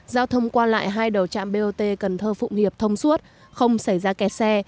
giao thông qua lại hai đầu trạm bot cần thơ phụng hiệp thông suốt không xảy ra kẹt xe